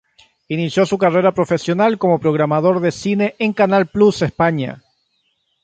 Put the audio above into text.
Inicio su carrera profesional como programador de cine en Canal Plus España.